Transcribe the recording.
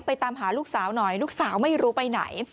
ตามหาลูกสาวหน่อยลูกสาวไม่รู้ไปไหน